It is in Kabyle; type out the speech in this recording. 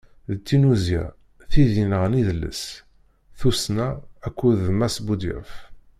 D tinnuzya, tid yenɣan idles, tussna akked d Mass Budyaf.